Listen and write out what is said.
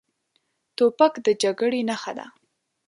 توپک د جګړې نښه ده.